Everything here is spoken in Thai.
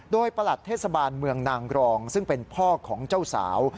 โดยประหลัดเทศบาลเมืองนางรองซึ่งเป็นพ่อของเจ้าสาว